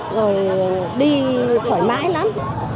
rồi đi thoải mái lắm